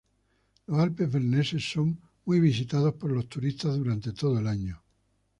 Los Alpes berneses son muy visitados por los turistas durante todo el año.